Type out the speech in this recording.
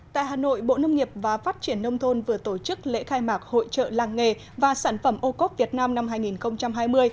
tại hà nội bộ nông nghiệp và phát triển nông thôn vừa tổ chức lễ khai mạc hội trợ làng nghề và sản phẩm ô cốp việt nam năm hai nghìn hai mươi